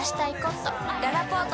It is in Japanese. ららぽーと